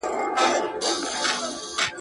دومره پوه سوه چي مېږیان سره جنګېږي.